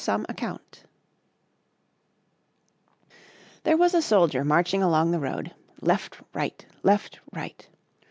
m^iik HERE was a soldier marching along the road — left, right ! left, right